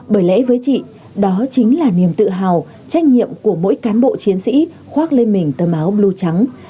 bởi lẽ với chị đó chính là niềm tự hào trách nhiệm của mỗi cán bộ chiến sĩ khoác lên mình tờ báo blue trắng